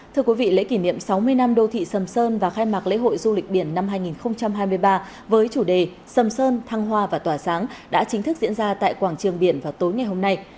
thưa quý vị lễ kỷ niệm sáu mươi năm đô thị sầm sơn và khai mạc lễ hội du lịch biển năm hai nghìn hai mươi ba với chủ đề sầm sơn thăng hoa và tỏa sáng đã chính thức diễn ra tại quảng trường biển vào tối ngày hôm nay